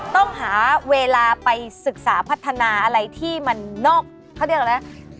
ต้องหาเวลาไปศึกษาพัฒนาอะไรที่มันนอกเขาเรียกอะไรนะ